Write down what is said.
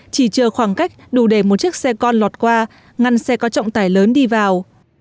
chỉ chờ khoảng cách đủ để một chiếc xe con lọt qua ngăn xe có trọng tải lớn đi vào